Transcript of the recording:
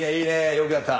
よくやった！